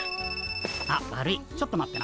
あっ悪いちょっと待ってな。